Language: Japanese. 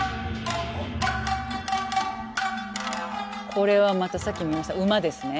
これはまたさっき見ました馬ですね。